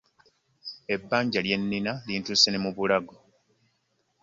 Ebbanja lyennina lintuuse n'emubulago.